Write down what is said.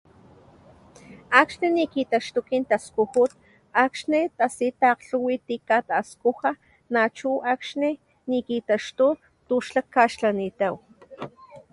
Akxní nikitaxtu kin taskujut, akní tasi takglhuwit tikkataskuja nachu akní nikitaxtu tuxlakkaxlanitaw.